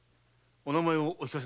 お名前は？